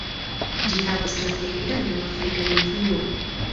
Ĝi havas la plej grandan afrikan influon.